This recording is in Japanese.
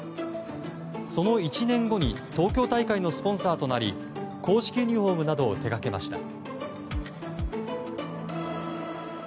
その１年後に東京大会のスポンサーとなり公式ユニホームなどを手がけました。